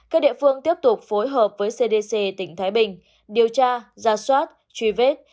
các địa phương tiếp tục phối hợp với cdc tỉnh thái bình điều tra ra soát truy vết